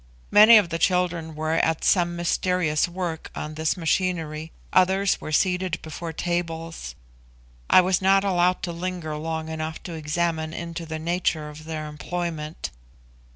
Many of the children were at some mysterious work on this machinery, others were seated before tables. I was not allowed to linger long enough to examine into the nature of their employment.